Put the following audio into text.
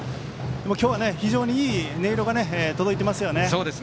今日は非常にいい音色が届いてますよね。